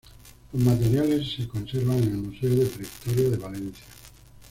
Los materiales se conservan en el Museo de Prehistoria de Valencia.